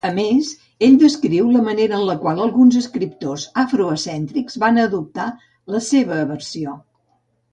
A més, ell descriu la manera en la qual alguns escriptors afrocèntrics van adoptar "la seva versió".